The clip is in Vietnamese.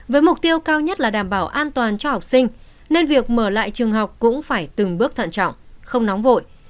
với mục tiêu cao nhất là đảm bảo an toàn cho học sinh nên việc mở lại trường học cũng phải từng bước thận trọng không nóng vội